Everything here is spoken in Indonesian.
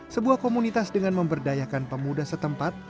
sebuah komunitas dengan memberdayakan pemuda setempat